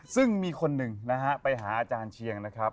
ซึ่งมีคนหนึ่งนะฮะไปหาอาจารย์เชียงนะครับ